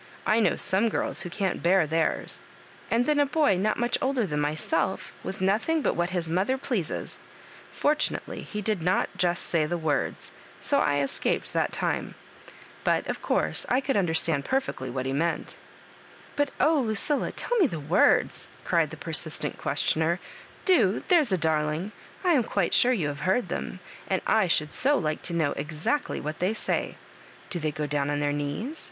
I know some girls who can't bear theirs ; and then a boy not much older than myself, with nothing but what his mother pleases! For tunately he did not just say the words, so I escaped that time ; but, of course, I could under stand perfectly what he meant" "But oh, Lucilla, tell me the words," cried the persistent questioner; "do, there's a dar ling 1 I am quite sure you have heard them — and I should so like to know exactly what they say ;— do they go down on their knees